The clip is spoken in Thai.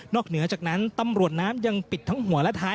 เหนือจากนั้นตำรวจน้ำยังปิดทั้งหัวและท้าย